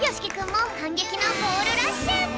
もはんげきのゴールラッシュ！